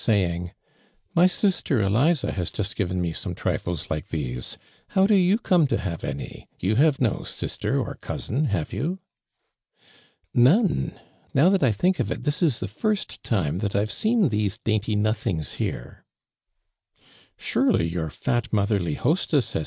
saying :" My sister Eliza has just given me some triHes like those. How tlo you como to have any? You havo no sister, or cousin, have you ?''" None. Now, that I think of it, this is the first time that I've soon tlioso dainty nothings Iioro !"'•' iSuroly your fat mothei'ly hostess ha.s